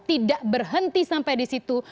tidak berhenti sampai di situ